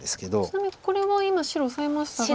ちなみにこれは今白オサえましたが。